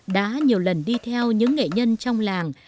đã nhiều lần đi theo những nghệ nhân trong làng